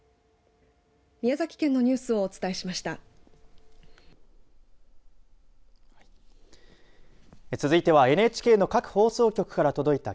宮崎県のニュースをお伝えしました。